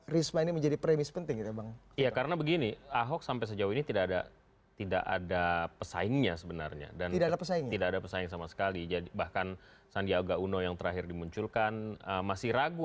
risma menjadi pembahasan kami dalam segmen editorial view berikut ini